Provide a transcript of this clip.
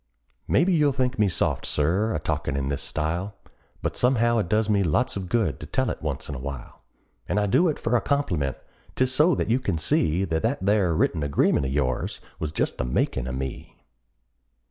Maybe you'll think me soft, Sir, a talkin' in this style, But somehow it does me lots of good to tell it once in a while; And I do it for a compliment 'tis so that you can see That that there written agreement of yours was just the makin' of me.